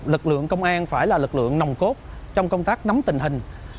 lực lượng công an phải là lực lượng nồng cốt trong công tác nắm tình hình